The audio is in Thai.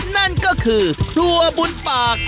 นั่นก็คือครัวบุญปาก